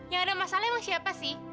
yang ada masalah sama siapa sih